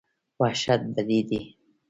وحشت بد دی.